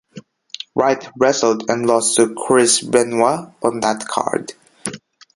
Wright wrestled and lost to Chris Benoit on that card.